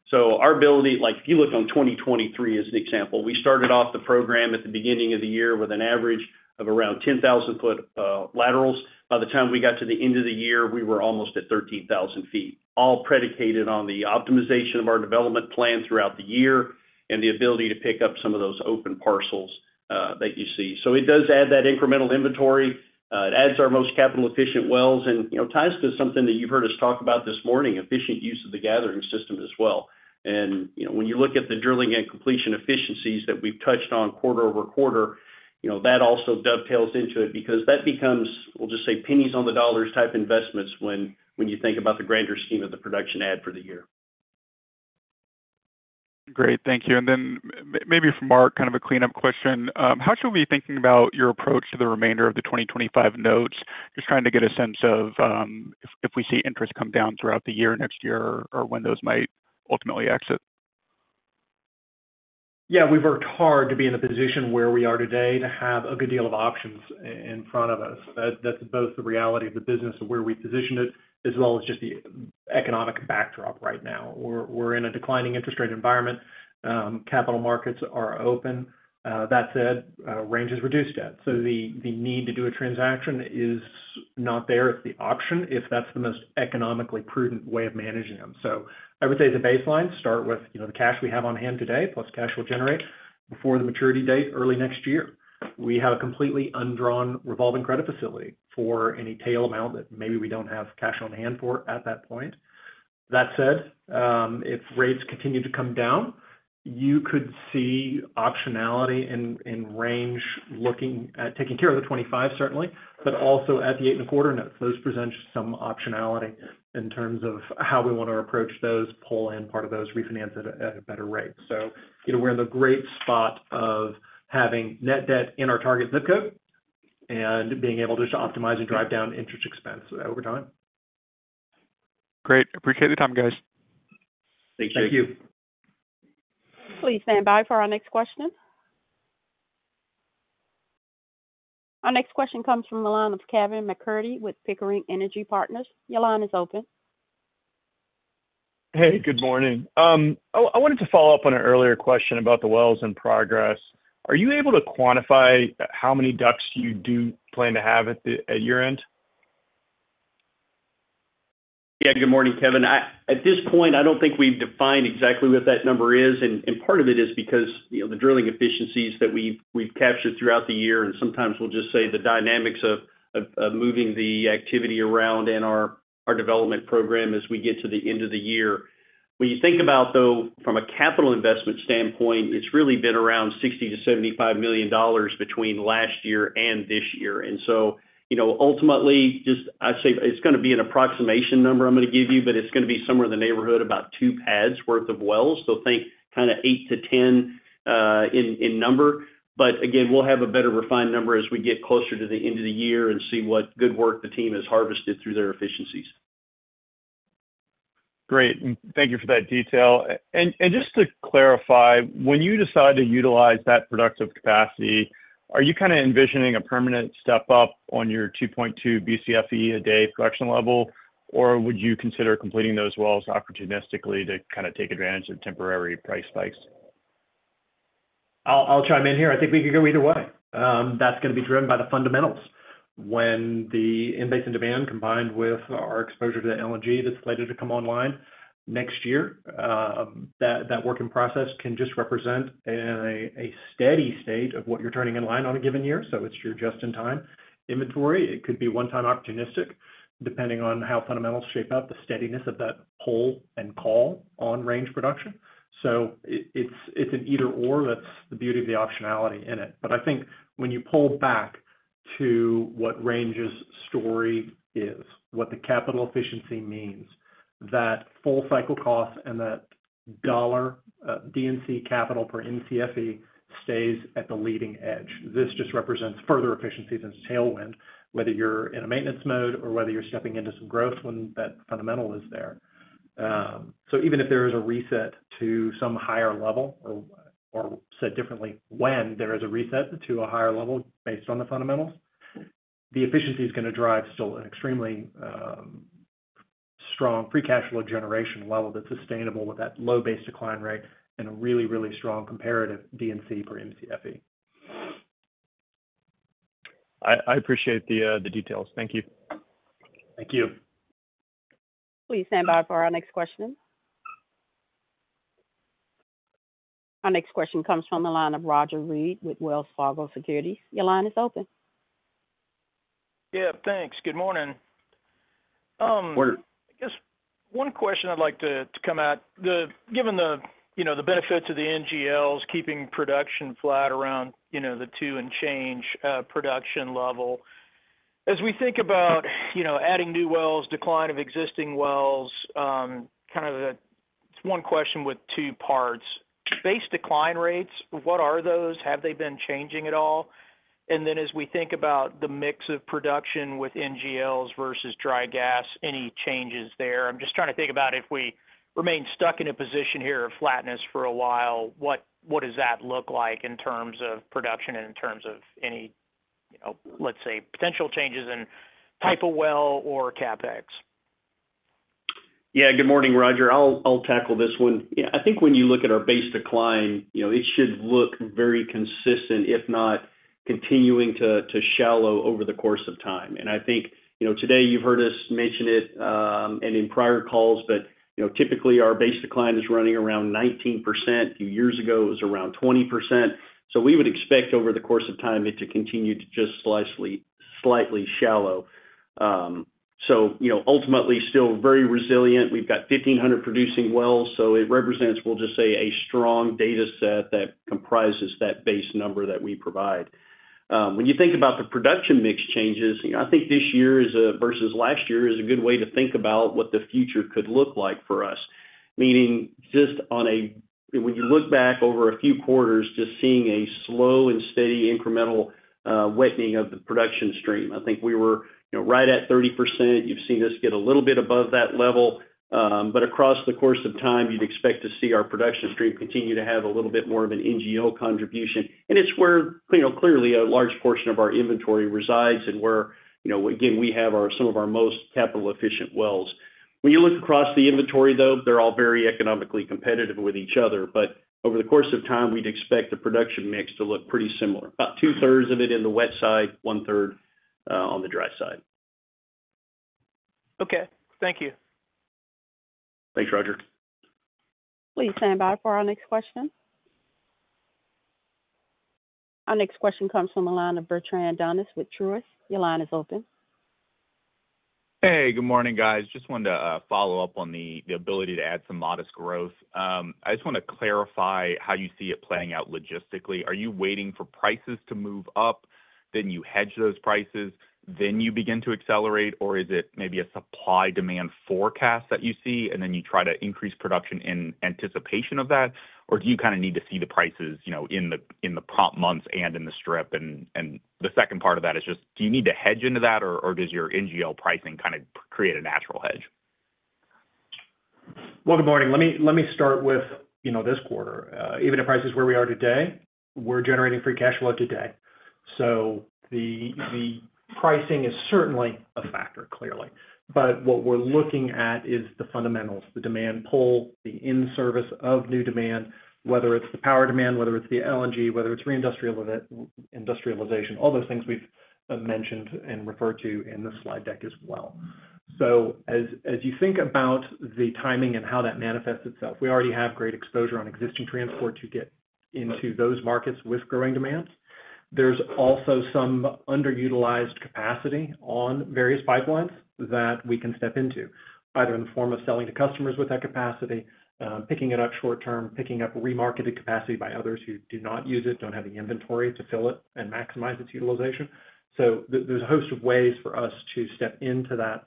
So our ability, like, if you look on 2023 as an example, we started off the program at the beginning of the year with an average of around 10,000-foot laterals. By the time we got to the end of the year, we were almost at 13,000 feet, all predicated on the optimization of our development plan throughout the year and the ability to pick up some of those open parcels that you see. So it does add that incremental inventory. It adds our most capital-efficient wells and, you know, ties to something that you've heard us talk about this morning, efficient use of the gathering system as well. You know, when you look at the drilling and completion efficiencies that we've touched on quarter over quarter, you know, that also dovetails into it because that becomes, we'll just say, pennies on the dollars type investments when you think about the grander scheme of the production add for the year. Great. Thank you. And then maybe for Mark, kind of a cleanup question. How should we be thinking about your approach to the remainder of the 2025 notes? Just trying to get a sense of, if we see interest come down throughout the year, next year, or when those might ultimately exit. Yeah, we've worked hard to be in a position where we are today to have a good deal of options in front of us. That's both the reality of the business and where we positioned it, as well as just the economic backdrop right now. We're in a declining interest rate environment. Capital markets are open. That said, Range has reduced debt, so the need to do a transaction is not there. It's the option, if that's the most economically prudent way of managing them. So I would say the baseline, start with, you know, the cash we have on hand today, plus cash we'll generate before the maturity date early next year. We have a completely undrawn revolving credit facility for any tail amount that maybe we don't have cash on hand for at that point. That said, if rates continue to come down, you could see optionality in Range, looking at taking care of the 2025, certainly, but also at the eight and a quarter notes. Those present some optionality in terms of how we want to approach those, pull in part of those, refinance at a better rate. So you know, we're in the great spot of having net debt in our target ZIP code and being able just to optimize and drive down interest expense over time. Great. Appreciate the time, guys. Thank you. Please stand by for our next question. Our next question comes from the line of Kevin MacCurdy with Pickering Energy Partners. Your line is open. Hey, good morning. I wanted to follow up on an earlier question about the wells in progress. Are you able to quantify how many DUCs you do plan to have at your end? Yeah, good morning, Kevin. I at this point, I don't think we've defined exactly what that number is, and part of it is because, you know, the drilling efficiencies that we've captured throughout the year, and sometimes we'll just say the dynamics of moving the activity around in our development program as we get to the end of the year. When you think about, though, from a capital investment standpoint, it's really been around $60-$75 million between last year and this year. And so, you know, ultimately, I'd say it's gonna be an approximation number I'm gonna give you, but it's gonna be somewhere in the neighborhood, about two pads worth of wells. So think kind of 8-10 in number. But again, we'll have a better refined number as we get closer to the end of the year and see what good work the team has harvested through their efficiencies. Great. Thank you for that detail. And just to clarify, when you decide to utilize that productive capacity, are you kind of envisioning a permanent step up on your 2.2 Bcfe a day production level? Or would you consider completing those wells opportunistically to kind of take advantage of temporary price spikes? I'll chime in here. I think we could go either way. That's gonna be driven by the fundamentals. When the in basin demand, combined with our exposure to the LNG that's slated to come online next year, that working process can just represent a steady state of what you're turning in line on a given year. So it's your just-in-time inventory. It could be one-time opportunistic, depending on how fundamentals shape up, the steadiness of that pull and call on Range production. So it's an either/or. That's the beauty of the optionality in it. But I think when you pull back to what Range's story is, what the capital efficiency means, that full cycle cost and that dollar D&C capital per Mcfe stays at the leading edge. This just represents further efficiencies and tailwind, whether you're in a maintenance mode or whether you're stepping into some growth when that fundamental is there, so even if there is a reset to some higher level, or, or said differently, when there is a reset to a higher level based on the fundamentals, the efficiency is gonna drive still an extremely, strong free cash flow generation level that's sustainable with that low base decline rate and a really, really strong comparative D&C per Mcfe. I appreciate the details. Thank you. Thank you. Please stand by for our next question. Our next question comes from the line of Roger Read with Wells Fargo Securities. Your line is open. Yeah, thanks. Good morning. Morning. I guess one question I'd like to come at, given the, you know, the benefits of the NGLs, keeping production flat around, you know, the two and change production level. As we think about, you know, adding new wells, decline of existing wells, kind of a one question with two parts: Base decline rates, what are those? Have they been changing at all? And then as we think about the mix of production with NGLs versus dry gas, any changes there? I'm just trying to think about if we remain stuck in a position here of flatness for a while, what does that look like in terms of production and in terms of any, you know, let's say, potential changes in type of well or CapEx? Yeah. Good morning, Roger. I'll tackle this one. Yeah, I think when you look at our base decline, you know, it should look very consistent, if not continuing to shallow over the course of time. And I think, you know, today you've heard us mention it, and in prior calls, but, you know, typically our base decline is running around 19%. A few years ago, it was around 20%. So we would expect over the course of time, it to continue to just slightly shallow. So, you know, ultimately still very resilient. We've got 1,500 producing wells, so it represents, we'll just say, a strong data set that comprises that base number that we provide. When you think about the production mix changes, you know, I think this year is versus last year is a good way to think about what the future could look like for us. Meaning, just on a when you look back over a few quarters, just seeing a slow and steady incremental wettening of the production stream. I think we were, you know, right at 30%. You've seen us get a little bit above that level, but across the course of time, you'd expect to see our production stream continue to have a little bit more of an NGL contribution. And it's where, you know, clearly a large portion of our inventory resides and where, you know, again, we have our some of our most capital efficient wells. When you look across the inventory, though, they're all very economically competitive with each other. But over the course of time, we'd expect the production mix to look pretty similar. About two-thirds of it in the wet side, one-third, on the dry side. Okay. Thank you. Thanks, Roger. Please stand by for our next question. Our next question comes from the line of Bertrand Donnes with Truist. Your line is open. Hey, good morning, guys. Just wanted to follow up on the ability to add some modest growth. I just want to clarify how you see it playing out logistically. Are you waiting for prices to move up, then you hedge those prices, then you begin to accelerate? Or is it maybe a supply-demand forecast that you see, and then you try to increase production in anticipation of that? Or do you kind of need to see the prices, you know, in the prompt months and in the strip? And the second part of that is just, do you need to hedge into that, or does your NGL pricing kind of create a natural hedge? Good morning. Let me start with, you know, this quarter. Even if price is where we are today, we're generating free cash flow today. So the pricing is certainly a factor, clearly. But what we're looking at is the fundamentals, the demand pull, the in-service of new demand, whether it's the power demand, whether it's the LNG, whether it's reindustrialization, all those things we've mentioned and referred to in the slide deck as well. So as you think about the timing and how that manifests itself, we already have great exposure on existing transport to get into those markets with growing demands. There's also some underutilized capacity on various pipelines that we can step into, either in the form of selling to customers with that capacity, picking it up short term, picking up remarketed capacity by others who do not use it, don't have the inventory to fill it and maximize its utilization. So there's a host of ways for us to step into that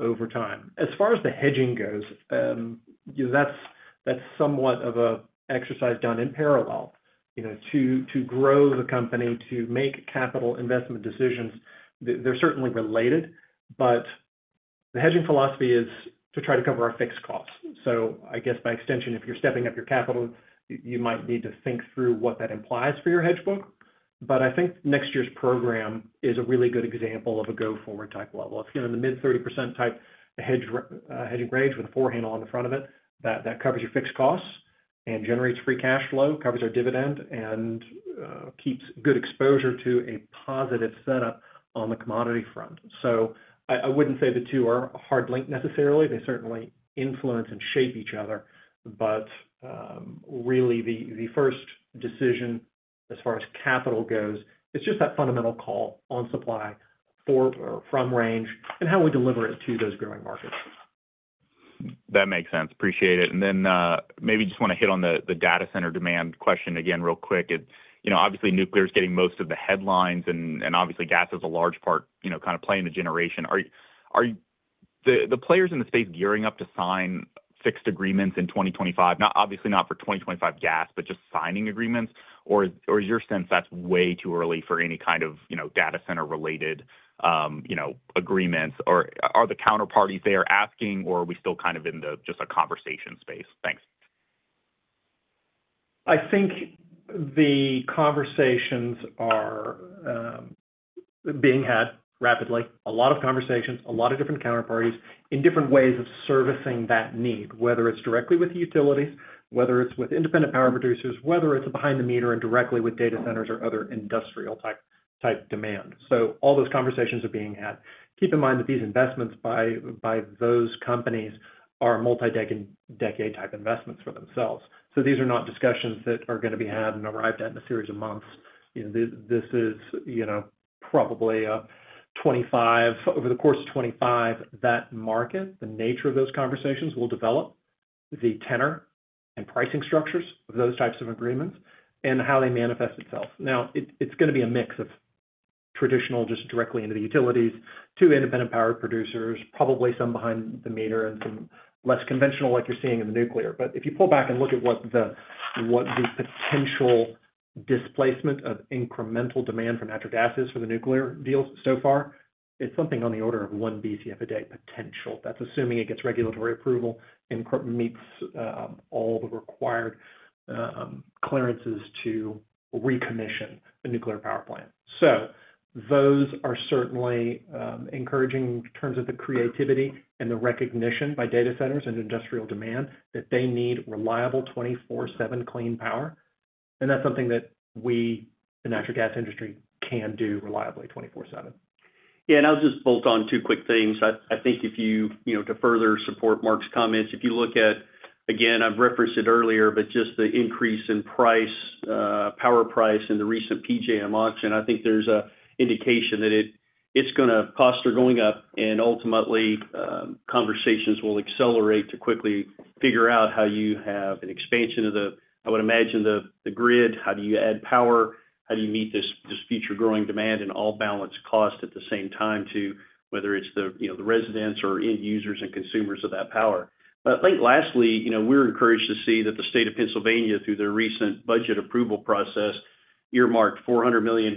over time. As far as the hedging goes, you know, that's, that's somewhat of a exercise done in parallel. You know, to, to grow the company, to make capital investment decisions, they're certainly related, but the hedging philosophy is to try to cover our fixed costs. So I guess by extension, if you're stepping up your capital, you might need to think through what that implies for your hedge book. But I think next year's program is a really good example of a go forward type level. It's, you know, in the mid-30% type hedging range with a floor on the front of it, that covers your fixed costs and generates free cash flow, covers our dividend, and keeps good exposure to a positive setup on the commodity front. So I wouldn't say the two are hard linked necessarily. They certainly influence and shape each other, but really, the first decision as far as capital goes, it's just that fundamental call on supply for or from Range and how we deliver it to those growing markets. That makes sense. Appreciate it. And then, maybe just want to hit on the data center demand question again, real quick. It you know, obviously, nuclear is getting most of the headlines, and obviously, gas is a large part, you know, kind of play in the generation. Are the players in the space gearing up to sign fixed agreements in 2025? Not obviously not for 2025 gas, but just signing agreements. Or is your sense that's way too early for any kind of, you know, data center related, you know, agreements? Or are the counterparties there asking, or are we still kind of in the just a conversation space? Thanks. I think the conversations are being had rapidly, a lot of conversations, a lot of different counterparties in different ways of servicing that need, whether it's directly with the utilities, whether it's with independent power producers, whether it's behind the meter and directly with data centers or other industrial type demand. So all those conversations are being had. Keep in mind that these investments by those companies are multi-decade type investments for themselves. So these are not discussions that are going to be had and arrived at in a series of months. You know, this is, you know, probably over the course of 2025, that market, the nature of those conversations will develop, the tenor and pricing structures of those types of agreements and how they manifest itself. Now, it's going to be a mix of traditional, just directly into the utilities, to independent power producers, probably some behind the meter and some less conventional, like you're seeing in the nuclear. But if you pull back and look at what the potential displacement of incremental demand for natural gas is for the nuclear deals so far, it's something on the order of one Bcf a day potential. That's assuming it gets regulatory approval and meets all the required clearances to recommission the nuclear power plant. So those are certainly encouraging in terms of the creativity and the recognition by data centers and industrial demand that they need reliable 24/7 clean power. And that's something that we, the natural gas industry, can do reliably, 24/7. Yeah, and I'll just bolt on two quick things. I think if you, you know, to further support Mark's comments, if you look at, again, I've referenced it earlier, but just the increase in price, power price in the recent PJM auction, I think there's an indication that it's gonna, costs are going up, and ultimately, conversations will accelerate to quickly figure out how you have an expansion of the, I would imagine the grid, how do you add power, how do you meet this future growing demand and all balance cost at the same time, too, whether it's the, you know, the residents or end users and consumers of that power. But I think lastly, you know, we're encouraged to see that the state of Pennsylvania, through their recent budget approval process, earmarked $400 million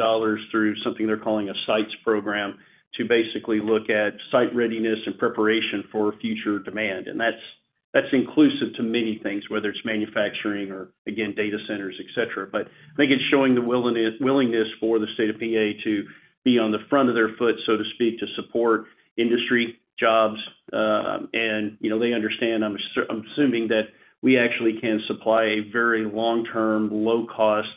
through something they're calling a SITES program, to basically look at site readiness and preparation for future demand. And that's inclusive to many things, whether it's manufacturing or again, data centers, et cetera. But I think it's showing the willingness for the state of PA to be on the front of their foot, so to speak, to support industry jobs. And, you know, they understand, I'm assuming that we actually can supply a very long-term, low cost,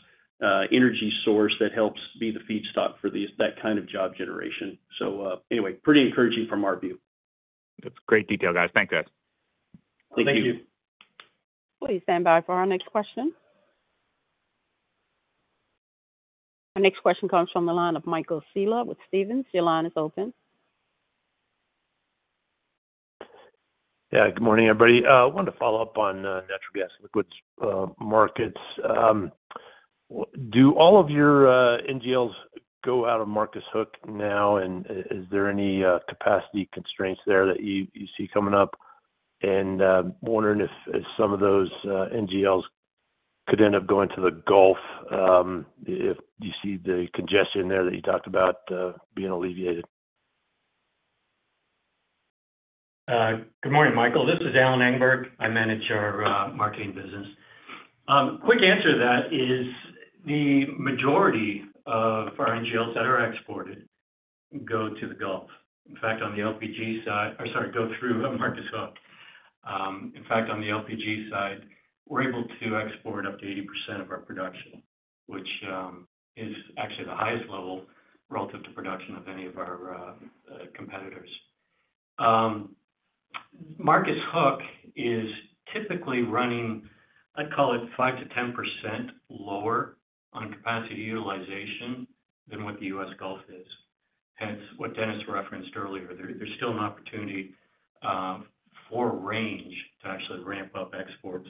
energy source that helps be the feedstock for these, that kind of job generation. So, anyway, pretty encouraging from our view. That's great detail, guys. Thank you. Thank you. Thank you. Please stand by for our next question. Our next question comes from the line of Michael Scialla with Stephens. Your line is open. Yeah, good morning, everybody. Wanted to follow up on natural gas and liquids markets. Do all of your NGLs go out of Marcus Hook now? And is there any capacity constraints there that you see coming up? And wondering if some of those NGLs could end up going to the Gulf, if you see the congestion there that you talked about being alleviated? Good morning, Michael. This is Alan Engberg. I manage our marketing business. Quick answer to that is the majority of our NGLs that are exported go to the Gulf. In fact, on the LPG side, or sorry, go through Marcus Hook. In fact, on the LPG side, we're able to export up to 80% of our production, which is actually the highest level relative to production of any of our competitors. Marcus Hook is typically running. I'd call it 5-10% lower on capacity utilization than what the U.S. Gulf is. Hence, what Dennis referenced earlier, there's still an opportunity for Range to actually ramp up exports,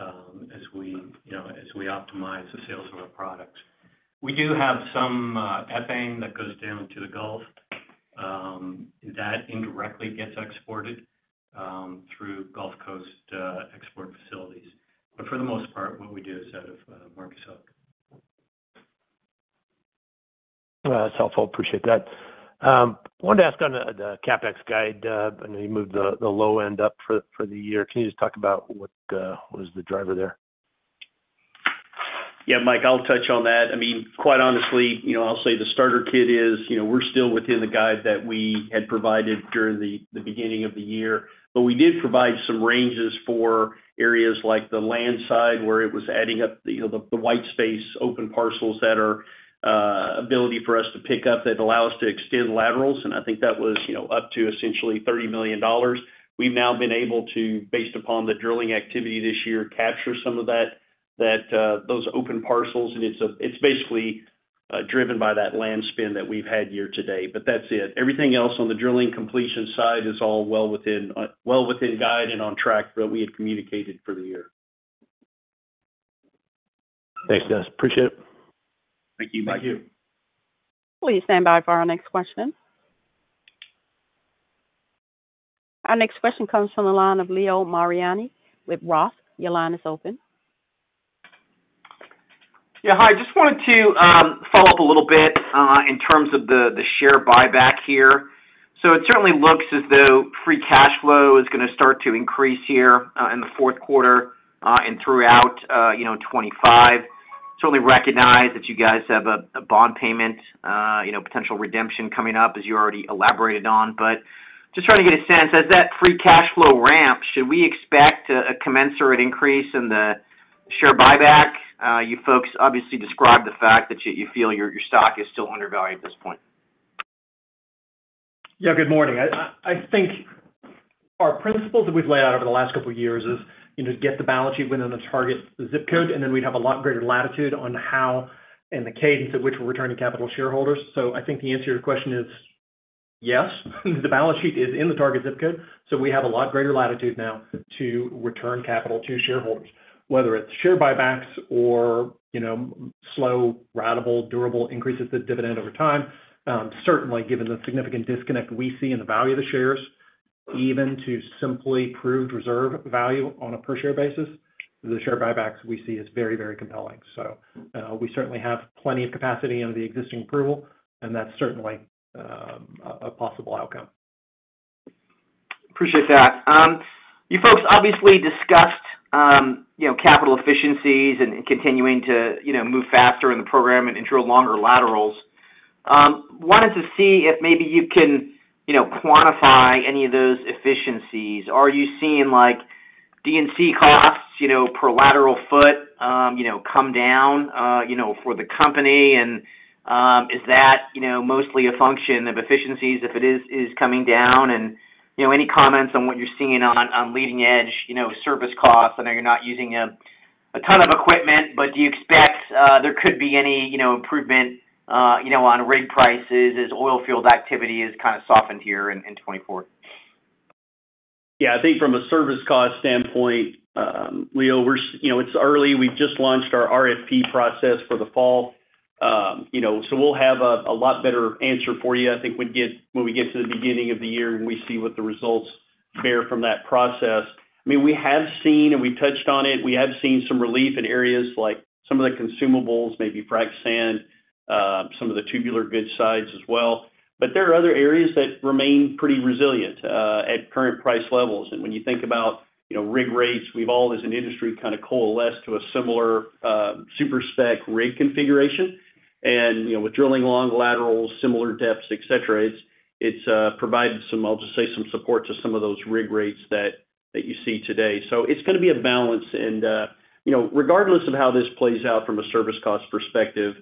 as you know, as we optimize the sales of our products. We do have some ethane that goes down to the Gulf, that indirectly gets exported, through Gulf Coast export facilities. But for the most part, what we do is out of Marcus Hook. That's helpful. Appreciate that. Wanted to ask on the CapEx guide. I know you moved the low end up for the year. Can you just talk about what is the driver there? Yeah, Mike, I'll touch on that. I mean, quite honestly, you know, I'll say the starter kit is, you know, we're still within the guide that we had provided during the beginning of the year. But we did provide some ranges for areas like the land side, where it was adding up the, you know, the white space, open parcels that have the ability for us to pick up, that allow us to extend laterals. And I think that was, you know, up to essentially $30 million. We've now been able to, based upon the drilling activity this year, capture some of that, those open parcels. And it's basically driven by that land spend that we've had year to date. But that's it. Everything else on the drilling completion side is all well within guide and on track, what we had communicated for the year. Thanks, guys. Appreciate it. Thank you, Mike. Thank you. Please stand by for our next question. Our next question comes from the line of Leo Mariani with Roth. Your line is open. Yeah, hi. Just wanted to follow up a little bit in terms of the share buyback here. So it certainly looks as though free cash flow is gonna start to increase here in the fourth quarter and throughout you know 2025. Certainly recognize that you guys have a bond payment you know potential redemption coming up, as you already elaborated on. But just trying to get a sense, as that free cash flow ramps, should we expect a commensurate increase in the share buyback? You folks obviously described the fact that you feel your stock is still undervalued at this point. Yeah, good morning. I think our principles that we've laid out over the last couple of years is, you know, get the balance sheet within the target zip code, and then we'd have a lot greater latitude on how and the cadence at which we're returning capital to shareholders. So I think the answer to your question is, yes, the balance sheet is in the target zip code, so we have a lot greater latitude now to return capital to shareholders. Whether it's share buybacks or, you know, slow, ratable, durable increases to the dividend over time, certainly, given the significant disconnect we see in the value of the shares, even to simply prove reserve value on a per share basis, the share buybacks we see is very, very compelling. We certainly have plenty of capacity under the existing approval, and that's certainly a possible outcome. Appreciate that. You folks obviously discussed, you know, capital efficiencies and continuing to, you know, move faster in the program and drill longer laterals. Wanted to see if maybe you can, you know, quantify any of those efficiencies. Are you seeing, like, DUC costs, you know, per lateral foot, you know, come down, you know, for the company? And, is that, you know, mostly a function of efficiencies, if it is, is coming down? And, you know, any comments on what you're seeing on leading edge, you know, service costs? I know you're not using a ton of equipment, but do you expect there could be any, you know, improvement, you know, on rig prices as oil field activity has kind of softened here in 2024? Yeah, I think from a service cost standpoint, Leo, you know, it's early. We've just launched our RFP process for the fall. You know, so we'll have a lot better answer for you, I think, when we get to the beginning of the year and we see what the results bear from that process. I mean, we've touched on it, we have seen some relief in areas like some of the consumables, maybe frac sand, some of the tubular goods sides as well. But there are other areas that remain pretty resilient at current price levels. And when you think about, you know, rig rates, we've all, as an industry, kind of coalesced to a similar super-spec rig configuration. You know, with drilling long laterals, similar depths, et cetera, it's provided some. I'll just say, some support to some of those rig rates that you see today. So it's gonna be a balance. And you know, regardless of how this plays out from a service cost perspective,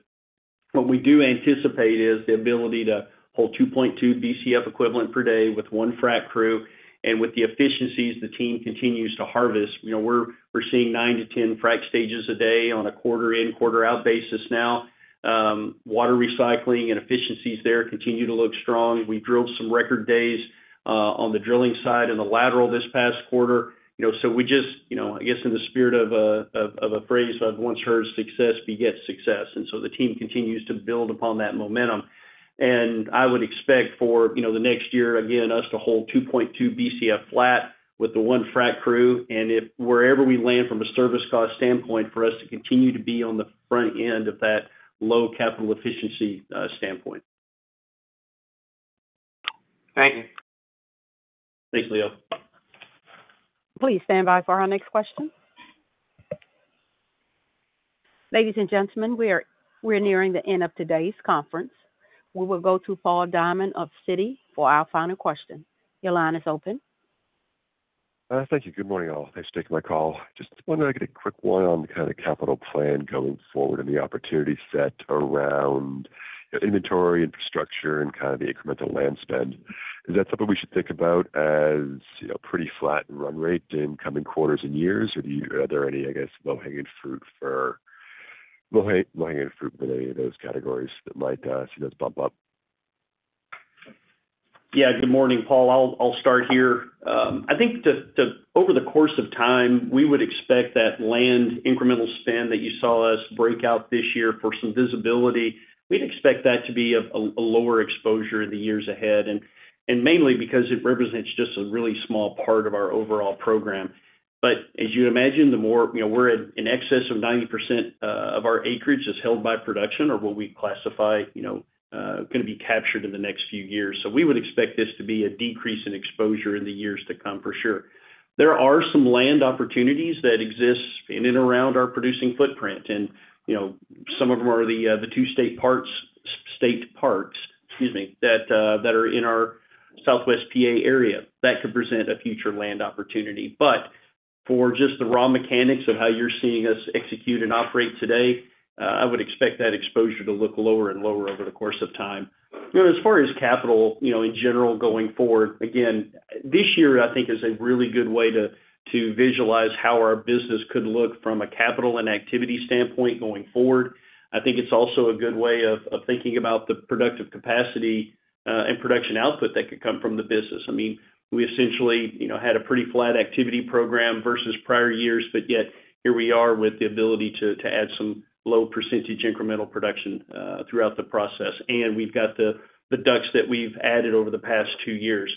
what we do anticipate is the ability to pull 2.2 Bcf equivalent per day with one frac crew. And with the efficiencies the team continues to harvest, you know, we're seeing nine to 10 frac stages a day on a quarter in, quarter out basis now. Water recycling and efficiencies there continue to look strong. We drilled some record days on the drilling side and the lateral this past quarter. You know, so we just, you know, I guess in the spirit of a phrase I've once heard, success begets success. And so the team continues to build upon that momentum. And I would expect for, you know, the next year, again, us to hold 2.2 Bcf flat with the one frac crew, and if wherever we land from a service cost standpoint, for us to continue to be on the front end of that low capital efficiency standpoint. Thank you. Thanks, Leo. Please stand by for our next question. Ladies and gentlemen, we are nearing the end of today's conference. We will go to Paul Diamond of Citi for our final question. Your line is open. Thank you. Good morning, all. Thanks for taking my call. Just wondering, I get a quick one on the kind of capital plan going forward and the opportunity set around inventory, infrastructure, and kind of the incremental land spend. Is that something we should think about as, you know, pretty flat and run rate in coming quarters and years? Or are there any, I guess, low-hanging fruit in any of those categories that might see those bump up? Yeah. Good morning, Paul. I'll start here. I think over the course of time, we would expect that land incremental spend that you saw us break out this year for some visibility, we'd expect that to be a lower exposure in the years ahead, and mainly because it represents just a really small part of our overall program. But as you'd imagine, the more. You know, we're at in excess of 90% of our acreage is held by production or what we classify, you know, gonna be captured in the next few years. So we would expect this to be a decrease in exposure in the years to come for sure. There are some land opportunities that exist in and around our producing footprint. And, you know, some of them are the state parks, excuse me, that are in our southwest PA area. That could present a future land opportunity. But for just the raw mechanics of how you're seeing us execute and operate today, I would expect that exposure to look lower and lower over the course of time. You know, as far as capital, you know, in general, going forward, again, this year, I think, is a really good way to visualize how our business could look from a capital and activity standpoint going forward. I think it's also a good way of thinking about the productive capacity and production output that could come from the business. I mean, we essentially, you know, had a pretty flat activity program versus prior years, but yet, here we are with the ability to add some low percentage incremental production throughout the process, and we've got the DUCs that we've added over the past two years.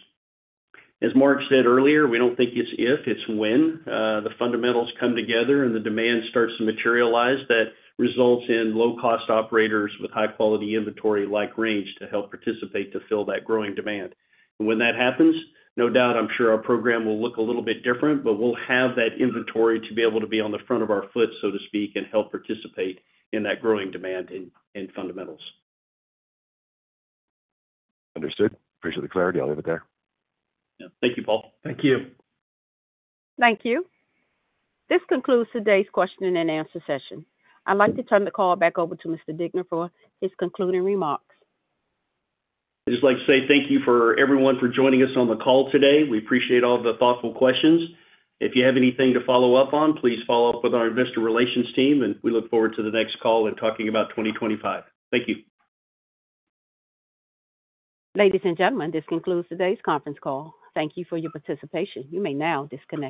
As Mark said earlier, we don't think it's if, it's when the fundamentals come together and the demand starts to materialize, that results in low-cost operators with high-quality inventory like Range to help participate to fill that growing demand. When that happens, no doubt, I'm sure our program will look a little bit different, but we'll have that inventory to be able to be on the front of our foot, so to speak, and help participate in that growing demand and fundamentals. Understood. Appreciate the clarity. I'll leave it there. Yeah. Thank you, Paul. Thank you. Thank you. This concludes today's question and answer session. I'd like to turn the call back over to Mr. Degner for his concluding remarks. I'd just like to say thank you for everyone for joining us on the call today. We appreciate all the thoughtful questions. If you have anything to follow up on, please follow up with our investor relations team, and we look forward to the next call and talking about 2025. Thank you. Ladies and gentlemen, this concludes today's conference call. Thank you for your participation. You may now disconnect.